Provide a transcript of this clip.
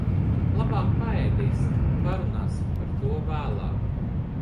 Labāk paēdīsim un parunāsim par to vēlāk.